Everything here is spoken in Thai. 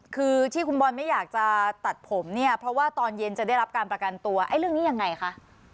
คือที่คุณบอลไม่อยากจะตัดผมเนี่ยเพราะว่าตอนเย็นจะได้รับการประกันตัวไอ้เรื่องนี้ยังไงคะ